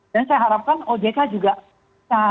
dan saya harapkan ojk juga bisa